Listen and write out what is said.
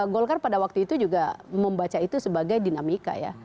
golkar pada waktu itu juga membaca itu sebagai dinamika ya